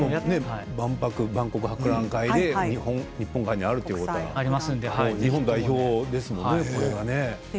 万国博覧会で日本館があるということで日本代表ですものね。